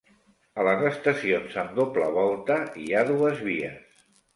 A les estacions amb doble volta hi ha dues vies.